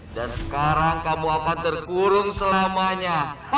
dan sekarang kamu akan terkurung selamanya